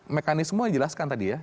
mekanisme yang dijelaskan tadi ya